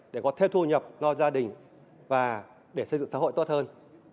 để có thêm thu nhập cho gia đình và để xây dựng xã hội tốt hơn